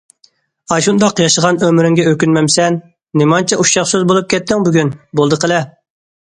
ئاشۇنداق ياشىغان ئۆمرۈڭگە ئۆكۈنمەمسەن؟- نېمانچە ئۇششاق سۆز بولۇپ كەتتىڭ بۈگۈن؟ بولدى قىلە.